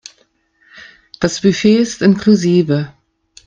Das Buffet ist inklusive.